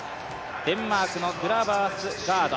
デンマークのグラバースガード。